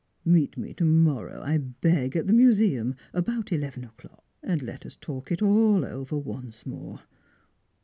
Meet me to morrow, I beg, at the Museum, about eleven o'clock, and let us talk it all over once more.